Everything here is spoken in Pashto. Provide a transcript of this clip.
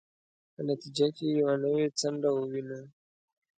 په نتیجه کې یوه نوې څنډه ووینو.